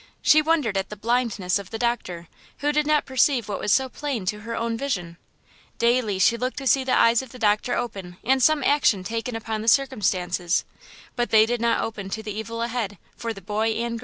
She wondered at the blindness of the doctor, who did not perceive what was so plain to her own vision. Daily she looked to see the eyes of the doctor open and some action taken upon the circumstances; but they did not open to the evil ahead, for the girl and boy!